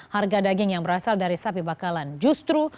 harga daging yang berasal dari sapi bakalan justru